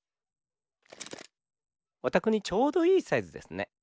おたくにちょうどいいサイズですね。